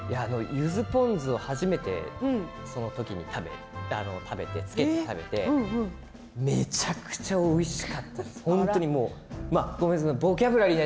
ゆずポン酢を初めてその時に食べてつけて食べてめちゃくちゃおいしかったです。